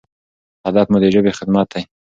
هدف مو د ژبې خدمت دی.